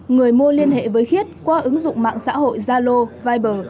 người mua liên hệ với khiết qua ứng dụng mạng xã hội zalo viber